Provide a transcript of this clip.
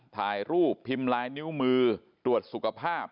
ถ่ายรูปพิมพ์ลายนิ้วมือตรวจสุขภาพ